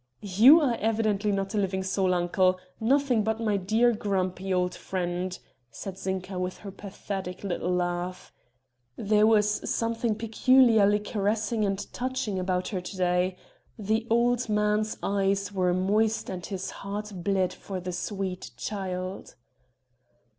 "You are evidently not a living soul, uncle nothing but my dear grumpy old friend," said Zinka with her pathetic little laugh. There was something peculiarly caressing and touching about her to day; the old man's eyes were moist and his heart bled for the sweet child.